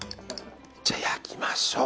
じゃあ、焼きましょう。